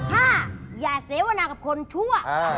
ถ้าอย่าเสวนากับคนชั่ว